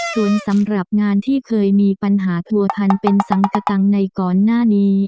ส่วนสำหรับงานที่เคยมีปัญหาผัวพันเป็นสังกตังในก่อนหน้านี้